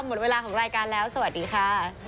หมดเวลาของรายการแล้วสวัสดีค่ะ